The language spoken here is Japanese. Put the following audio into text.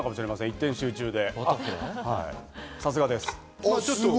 一点集中で。